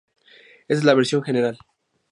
Esta es la versión general.